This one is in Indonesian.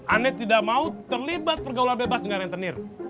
aku tidak mau terlibat pergaulan bebas dengan yang tenir